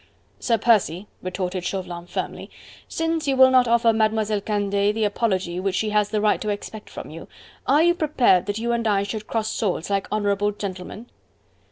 "Sir Percy," retorted Chauvelin firmly, "since you will not offer Mademoiselle Candeille the apology which she has the right to expect from you, are you prepared that you and I should cross swords like honourable gentlemen?"